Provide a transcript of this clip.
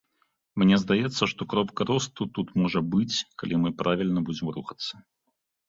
Мне здаецца, што кропка росту тут можа быць, калі мы правільна будзем рухацца.